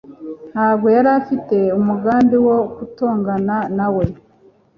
ntabwo yari afite umugambi wo gutongana na we